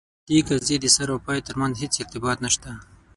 د دې قضیې د سر او پای ترمنځ هیڅ ارتباط نسته.